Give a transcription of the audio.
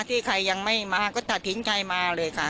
ที่ใครยังไม่มาก็ตัดทิ้งใครมาเลยค่ะ